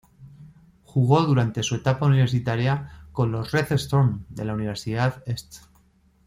Jugó durante su etapa universitaria con los "Red Storm" de la Universidad St.